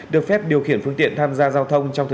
được phép điều khiển phương tiện tham gia giao thông